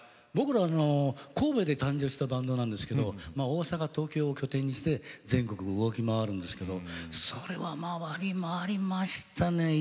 僕ら、神戸で誕生したバンドなんですけど大阪と東京を拠点にして全国を動き回るんですけどそれは、回り回りましたね。